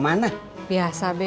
masa itu bisnis ini